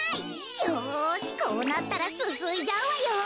よしこうなったらすすいじゃうわよ。